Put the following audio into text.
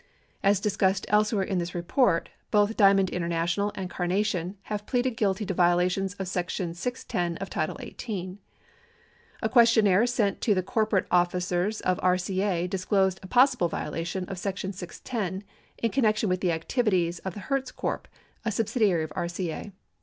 As discussed elsewhere in this report, both Diamond International and Carnation have pleaded guilty to violations of section 610 of title 18. A questionnaire sent to the corporate officers of RCA disclosed a pos sible violation of section 610 in connection with the activities of the Hertz Corp., a subsidiary of RCA.